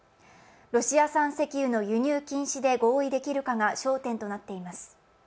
ロシア産石油の輸入禁止で合意できるかが焦点となっています。